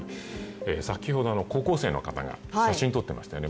先ほど高校生の方が写真を撮っていましたよね